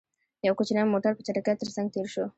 يو کوچينی موټر، په چټکۍ تر څنګ تېر شو.